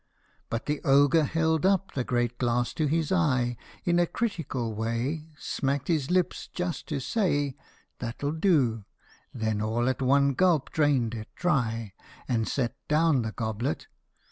But the Ogre held up the great glass to his eye In a critical way, Smacked his lips, just to say " That '11 do !" and then all at one gulp drained it dry, And set down the goblet.